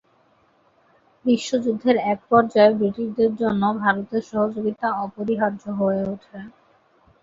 বিশ্বযুদ্ধের এক পর্যায়ে ব্রিটিশদের জন্য ভারতের সহযোগিতা অপরিহার্য হয়ে উঠে।